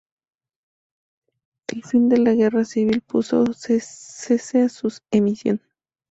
El fin de la guerra civil puso cese a su emisión.